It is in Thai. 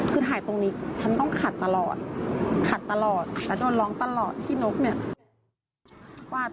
คือถ่ายตรงนี้ฉันต้องขัดตลอดขัดตลอดและโดนร้องตลอดขี้นกเนี่ย